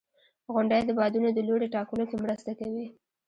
• غونډۍ د بادونو د لوري ټاکلو کې مرسته کوي.